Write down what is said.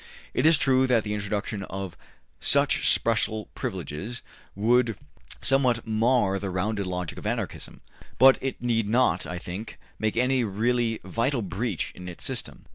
It is true that the introduction of such special privileges would somewhat mar the rounded logic of Anarchism, but it need not, I think, make any really vital breach in its system.